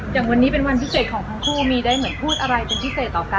อย่างวันนี้เป็นวันพิเศษของทั้งคู่มีได้เหมือนพูดอะไรเป็นพิเศษต่อกัน